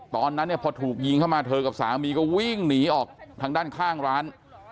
ตอนนั้นเนี่ยพอถูกยิงเข้ามาเธอกับสามีก็วิ่งหนีออกทางด้านข้างร้าน